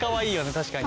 確かに。